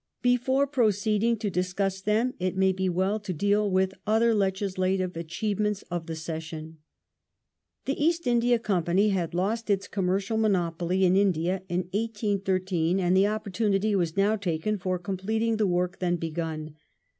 Before proceeding to discuss them, it may be well to deal with other legislative achievements of the session. The East India Company had lost its commercial monopoly in New India in 1813, and the opportunity was now taken for completing ^^^{^^'^ the work then begun.